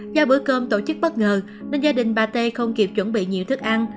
do bữa cơm tổ chức bất ngờ nên gia đình bà tê không kịp chuẩn bị nhiều thức ăn